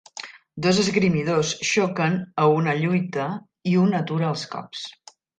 Dos esgrimidors xoquen a una lluita i un atura els cops.